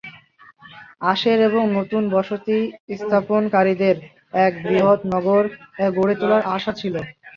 আশের এবং নতুন বসতি স্থাপনকারীদের এক বৃহৎ নগর গড়ে তোলার আশা ছিল।